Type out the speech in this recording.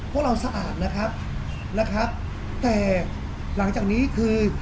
พวกเราสะอาดนะครับนะครับแต่หลังจากนี้คือ